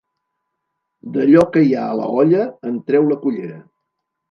D'allò que hi ha a l'olla, en treu la cullera.